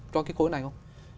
cho cái khối này không